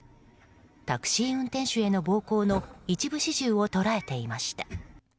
タクシー運転手への暴行の一部始終を捉えていました。